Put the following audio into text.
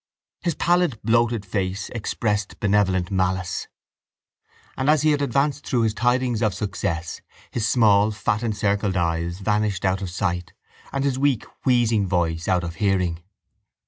His pallid bloated face expressed benevolent malice and, as he had advanced through his tidings of success, his small fat encircled eyes vanished out of sight and his weak wheezing voice out of hearing.